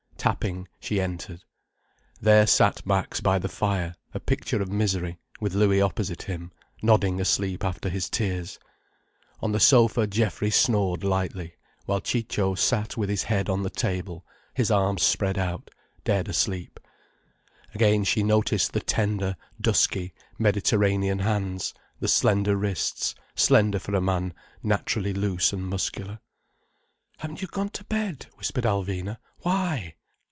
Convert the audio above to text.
Tapping, she entered. There sat Max by the fire, a picture of misery, with Louis opposite him, nodding asleep after his tears. On the sofa Geoffrey snored lightly, while Ciccio sat with his head on the table, his arms spread out, dead asleep. Again she noticed the tender, dusky Mediterranean hands, the slender wrists, slender for a man naturally loose and muscular. "Haven't you gone to bed?" whispered Alvina. "Why?"